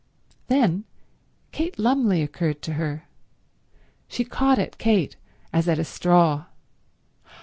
Then Kate Lumley occurred to her. She caught at Kate as at a straw.